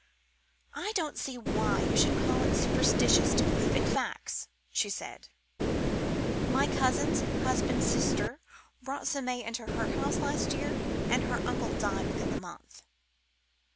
"I don't see why you should call it superstitious to believe in facts," she said. "My cousin's husband's sister brought some may into her house last year, and her uncle died within the month."